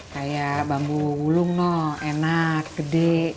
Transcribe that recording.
kayak bambu ulung enak gede